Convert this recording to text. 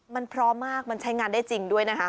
มันพร้อมมากมันใช้งานได้จริงด้วยนะคะ